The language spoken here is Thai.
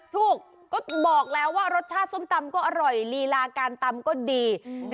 ถูกก็บอกแล้วว่ารสชาติส้มตำก็อร่อยลีลาการตำก็ดี